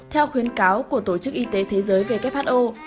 theo khuyến cáo của tổ chức y tế thế giới who